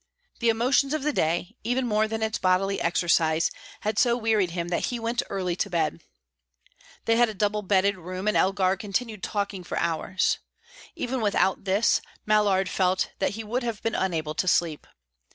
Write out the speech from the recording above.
The emotions of the day, even more than its bodily exercise, had so wearied him that he went early to bed. They had a double bedded room, and Elgar continued talking for hours. Even without this, Mallard felt that he would have been unable to sleep.